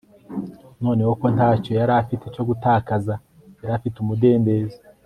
noneho ko ntacyo yari afite cyo gutakaza, yari afite umudendezo